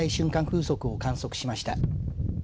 風速を観測しました。